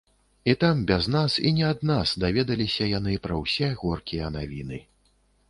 І там, без нас і не ад нас, даведаліся яны пра ўсе горкія навіны.